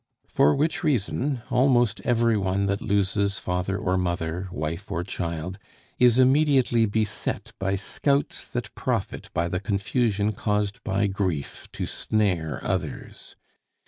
For which reason, almost every one that loses father or mother, wife or child, is immediately beset by scouts that profit by the confusion caused by grief to snare others.